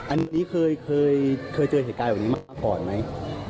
อันนี้เคยเจอเหตุการณ์แบบนี้มาก่อนไหม